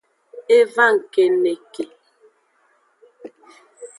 E va ngkeneke.